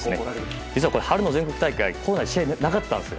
実はこれ春の全国大会試合がなかったんですよ。